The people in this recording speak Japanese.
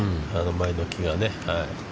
前の木がね。